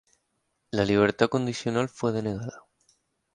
La libertad condicional fue denegada.